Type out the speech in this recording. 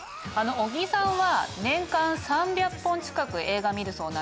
小木さんは年間３００本近く映画見るそうなんですけど。